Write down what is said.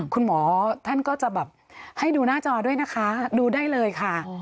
คุณหมอท่านก็จะแบบให้ดูหน้าจอด้วยนะคะดูได้เลยค่ะ